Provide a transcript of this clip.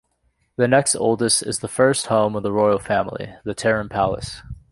The next oldest is the first home of the royal family, the Terem Palace.